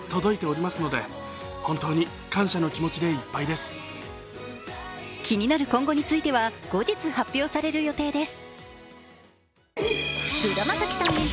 そしてファンに気になる今後については後日発表される予定です。